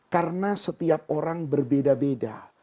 karena setiap orang berbeda beda